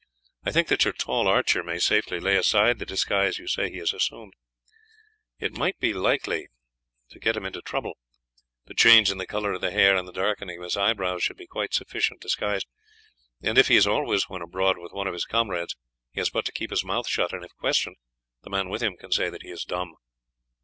I think that your tall archer may safely lay aside the disguise you say he has assumed, it might be likely to get him into trouble; the change in the colour of the hair and the darkening of his eyebrows should be quite sufficient disguise, and if he is always when abroad with one of his comrades, he has but to keep his mouth shut, and if questioned the man with him can say that he is dumb."